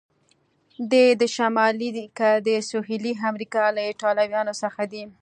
دی د شمالي که د سهیلي امریکا له ایټالویانو څخه دی؟